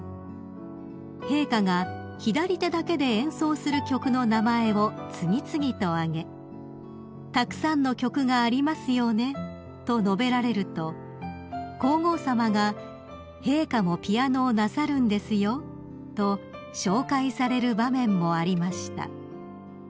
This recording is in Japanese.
［陛下が左手だけで演奏する曲の名前を次々と挙げ「たくさんの曲がありますよね」と述べられると皇后さまが「陛下もピアノをなさるんですよ」と紹介される場面もありました］